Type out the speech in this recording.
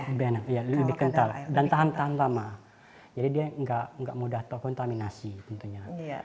lebih enak ya lebih kental dan tahan tahan lama jadi dia enggak enggak mudah terkontaminasi tentunya